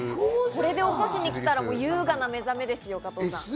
これで起こしに来たら優雅な目覚めですよ、加藤さん。